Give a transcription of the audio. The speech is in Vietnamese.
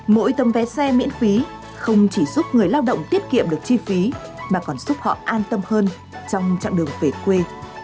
mỗi tấm vé xe miễn phí không chỉ giúp người lao động tiết kiệm được chi phí mà còn giúp họ an tâm hơn trong chặng đường về quê